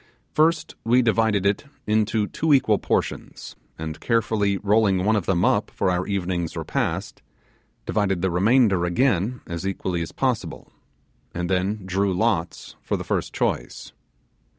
First we divided it into two equal portions, and carefully rolling one of them up for our evening's repast, divided the remainder again as equally as possible, and then drew lots for the first choice.